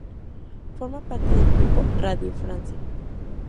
Forma parte del grupo "Radio France".